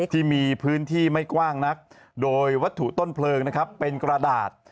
ที่มีพื้นที่ไม่กว้างนักโดยวัตถุต้นเพลิงนะครับเป็นกระดาษ